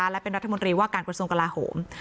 และเป็นรัฐมนตรีว่าการกระทรวงกลาโหม